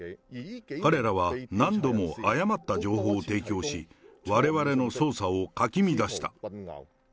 彼らは何度も誤った情報を提供し、われわれの捜査をかき乱した。